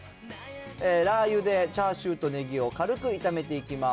ラー油でチャーシューとネギを軽く炒めていきます。